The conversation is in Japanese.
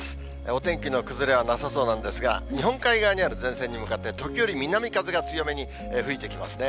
お天気の崩れはなさそうなんですが、日本海側にある前線に向かって時折、南風が強めに吹いてきますね。